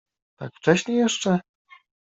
— Tak wcześnie jeszcze?